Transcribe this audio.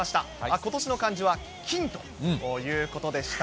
今年の漢字は金ということでした。